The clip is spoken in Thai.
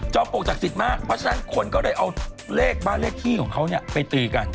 จ้อมปลูกจักษิตมากเพราะฉะนั้นคนก็ได้เอาเลขบ้านเลขที่ของเขาเนี่ยไปตีกัน